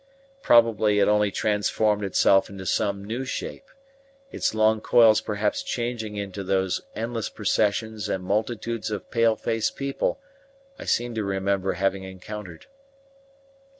Probably it only transformed itself into some new shape, its long coils perhaps changing into those endless processions and multitudes of pale faced people I seem to remember having encountered.